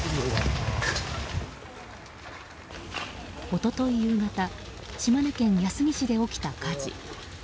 一昨日夕方島根県安来市で起きた火事。